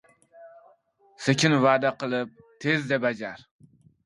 • Sekin va’da qilib, tezda bajar.